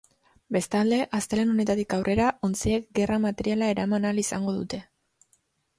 Bestalde, astelehen honetatik aurrera, ontziek gerra materiala eraman ahal izango dute.